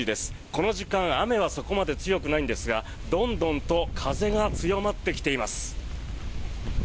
この時間雨はそこまで強くないんですがどんどんと風が強まってきています。